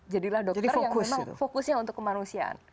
jadilah dokter yang memang fokusnya untuk kemanusiaan